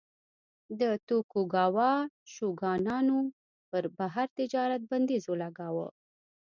د توکوګاوا شوګانانو پر بهر تجارت بندیز ولګاوه.